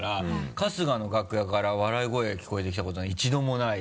春日の楽屋から笑い声聞こえてきたこと一度もない。